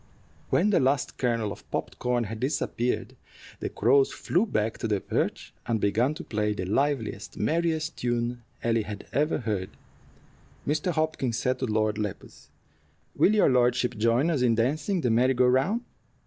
When the last kernel of popped corn had disappeared, the crows flew back to their perch and began to play the liveliest, merriest tune Ellie had ever heard. Mr. Hopkins said to Lord Lepus, "Will your lordship join us in dancing the merry go round?